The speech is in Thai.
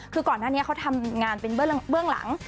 คือก่อนหน้านี้เขาทำงานเป็นเบื้องหลัง